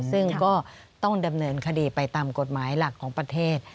ซึ่งก็ต้องดำเนินคดีไปตามกฎหมายหลักของประเทศ